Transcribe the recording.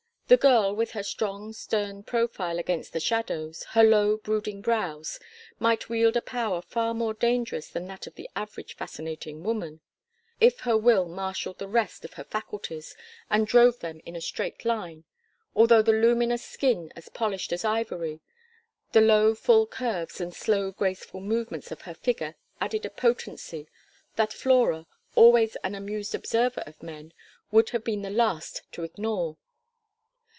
The girl, with her strong stern profile against the shadows, her low brooding brows, might wield a power far more dangerous than that of the average fascinating woman, if her will marshalled the rest of her faculties and drove them in a straight line; although the luminous skin as polished as ivory, the low full curves and slow graceful movements of her figure added a potency that Flora, always an amused observer of men, would have been the last to ignore.